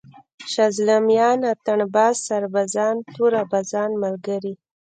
شازِلْمیان، اتڼ باز، سربازان، توره بازان ملګري!